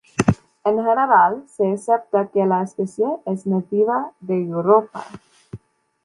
En general se acepta que la especie es nativa de Europa.